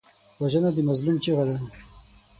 وژنه د مظلوم چیغه ده